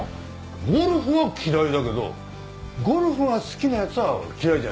ゴルフは嫌いだけどゴルフが好きなヤツは嫌いじゃない。